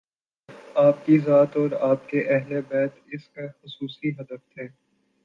آپﷺ کی ذات اور آپ کے اہل بیت اس کاخصوصی ہدف تھے۔